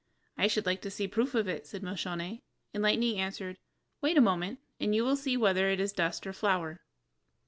"I should like to see a proof of it," said Moscione, and Lightning answered, "Wait a moment, and you will see whether it is dust or flour."